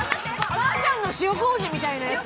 ◆ばあちゃんの塩こうじみたいなやつ。